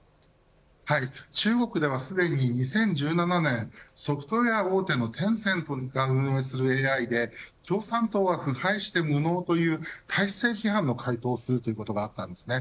中国ではすでに、２０１７年ソフトウエア大手のテンセントが運営するＡＩで共産党は腐敗して無能という体制批判の回答をするということがあったんですね。